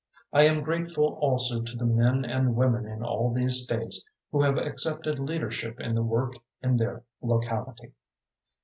I am grateful also to the men and women in all these states who have accepted leadership in the work in their locality.